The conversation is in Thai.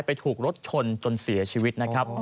ถูกรถชนจนเสียชีวิตนะครับ